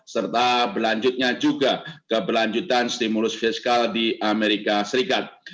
serta berlanjutnya juga keberlanjutan stimulus fiskal di amerika serikat